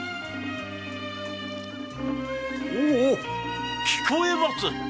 ・おお聞こえます！